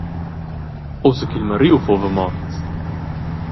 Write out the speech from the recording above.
Ussa ch’il mariu fuva morts.